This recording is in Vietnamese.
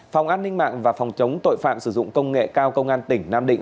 phòng an ninh mạng và phòng chống tội phạm sử dụng công nghệ cao công an tỉnh nam định